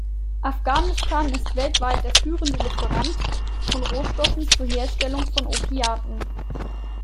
Afghanistan ist weltweit der führende Lieferant von Rohstoffen zur Herstellung von Opiaten.